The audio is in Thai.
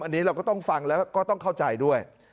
อันนี้เราก็ต้องฟังแล้วก็ต้องเข้าใจด้วย